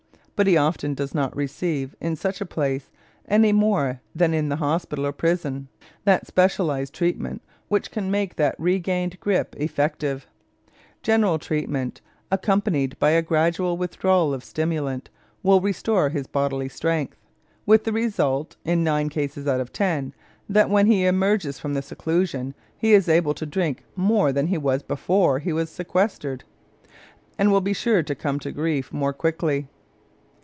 But he often does not receive in such a place, any more than in the hospital or prison, that specialized treatment which can make that regained grip effective. General treatment, accompanied by a gradual withdrawal of stimulant, will restore his bodily strength, with the result, in nine cases out of ten, that when he emerges from the seclusion he is able to drink more than he was before he was sequestered, and will be sure to come to grief more quickly.